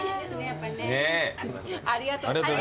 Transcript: ありがとうございます。